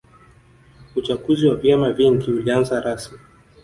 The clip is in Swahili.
uchaguzi wa vyama vingi ulianza rasimi